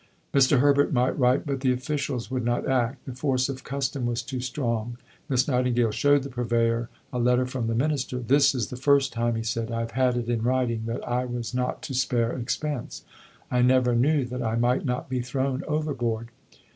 Mr. Herbert might write, but the officials would not act. The force of custom was too strong. Miss Nightingale showed the Purveyor a letter from the Minister. "This is the first time," he said, "I have had it in writing that I was not to spare expense. I never knew that I might not be thrown overboard."